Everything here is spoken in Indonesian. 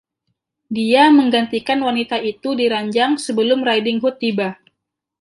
Dia menggantikan wanita itu di ranjang sebelum Riding Hood tiba.